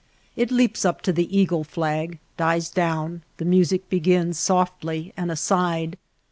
It leaps up to the eagle flag, dies down, the music begins softly and aside.